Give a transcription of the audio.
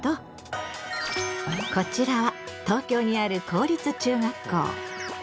こちらは東京にある公立中学校。